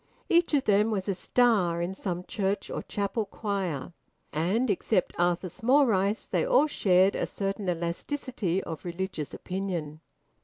Each of them was a star in some church or chapel choir. And except Arthur Smallrice, they all shared a certain elasticity of religious opinion.